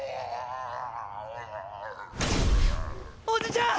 おじちゃん！